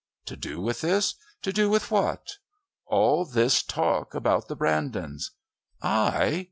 "To do with this? To do with what?" "All this talk about the Brandons." "I!